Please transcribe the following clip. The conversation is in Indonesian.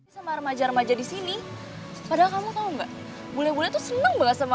sama remaja remaja disini padahal kamu tahu enggak boleh boleh tuh seneng banget sama